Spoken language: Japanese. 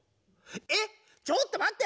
えっちょっとまって。